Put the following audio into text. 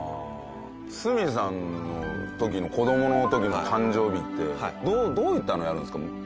堤さんの時の子どもの時の誕生日ってどういったのやるんですか？